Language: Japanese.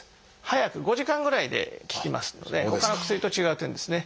早く５時間ぐらいで効きますのでほかの薬と違う点ですね。